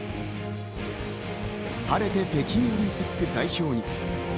晴れて北京オリンピック代表に。